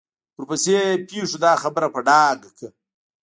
ورپسې پېښو دا خبره په ډاګه کړه.